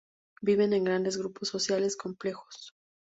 Viven en grandes grupos sociales complejos.